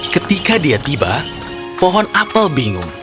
ketika dia tiba pohon apel bingung